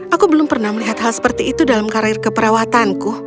aku belum pernah melihat hal seperti itu dalam karir keperawatanku